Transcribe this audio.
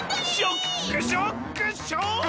ショックショックショック！